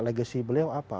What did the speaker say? legasi beliau apa